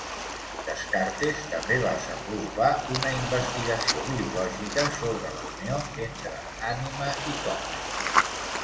Descartes també va desenvolupar una investigació biològica sobre la unió entre ànima i cos.